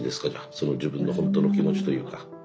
その自分のほんとの気持ちというか。